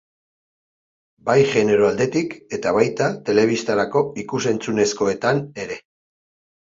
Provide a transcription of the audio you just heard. Bai genero aldetik eta baita telebistarako ikusentzunezkoetan ere.